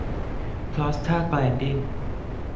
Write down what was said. พรอสทาแกลนดิน